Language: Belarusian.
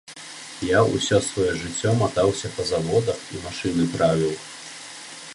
Я ўсё сваё жыццё матаўся па заводах і машыны правіў.